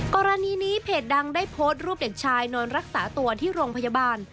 กรณีนี้เพจดังได้โพสต์รูปเด็กชายนอนรักษาตัวที่โรงพยาบาล